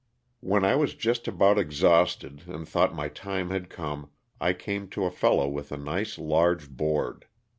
When I was just about exhausted and thought my time had come, I came to a fellow with a nice large board.